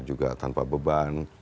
juga tanpa beban